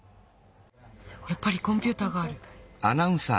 やっぱりコンピューターがある。